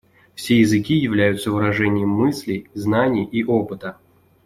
Все языки являются выражением мыслей, знаний и опыта.